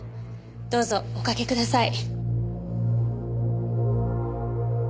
どうぞおかけください。